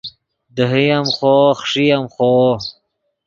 دیہے ام خوو خݰئے ام خوو